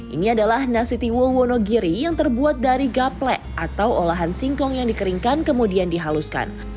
ini adalah nasi tiwo wonogiri yang terbuat dari gaplek atau olahan singkong yang dikeringkan kemudian dihaluskan